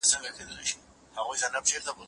زه هره ورځ سندري اورم!.